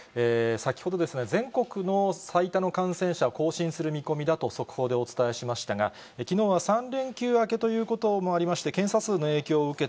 先ほど、全国の最多の感染者、更新する見込みだと、速報でお伝えしましたが、きのうは３連休明けということもありまして、検査数の影響を受け